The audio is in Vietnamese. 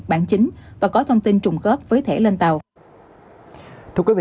bản chính và có thông tin trùng khớp với thẻ lên tàu